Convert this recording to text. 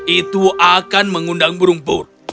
itu akan mengundang burung pun